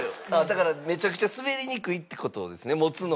だからめちゃくちゃ滑りにくいって事ですね持つのが。